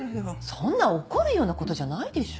そんな怒るようなことじゃないでしょ？